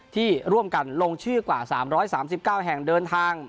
ที่ร่วมกันลงชื่อกว่าสามร้อยสามสิบเก้าแห่งเดินทาง